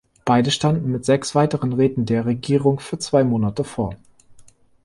Beide standen mit sechs weiteren Räten der Regierung für zwei Monate vor.